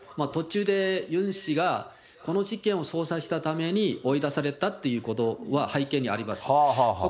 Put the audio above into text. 途中でユン氏がこの事件を捜査したために追い出されたっていうことは背景にあります。